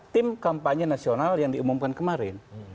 tim kampanye nasional yang diumumkan kemarin